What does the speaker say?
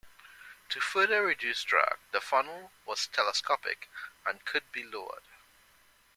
To further reduce drag, the funnel was telescopic and could be lowered.